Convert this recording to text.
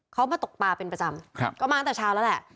เขามาตกปลาเป็นประจำก็มาตั้งแต่เช้าแล้วแหละ